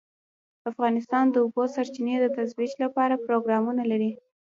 افغانستان د د اوبو سرچینې د ترویج لپاره پروګرامونه لري.